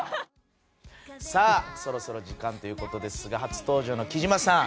そろそろ時間ということですが初登場の貴島さん